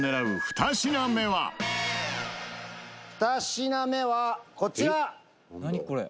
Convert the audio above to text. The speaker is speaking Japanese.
「２品目はこちら」